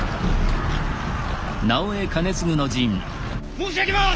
申し上げます！